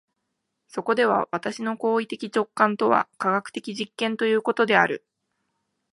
そこでは私の行為的直観とは科学的実験ということである。